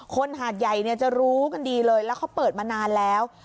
หาดใหญ่เนี่ยจะรู้กันดีเลยแล้วเขาเปิดมานานแล้ว